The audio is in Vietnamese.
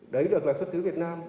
đấy được là xuất xứ việt nam